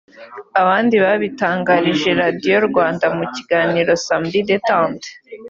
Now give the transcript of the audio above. abandi babitangarije Radiyo Rwanda mu kiganiro Samedi détente